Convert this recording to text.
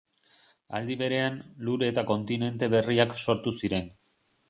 Aldi berean, lur eta kontinente berriak sortu ziren.